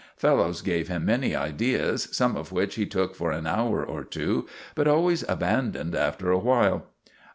Fellows gave him many ideas, some of which he took for an hour or two, but always abandoned after a while.